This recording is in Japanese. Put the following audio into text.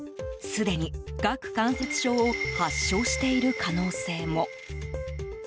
すでに、顎関節症を発症している可能性も。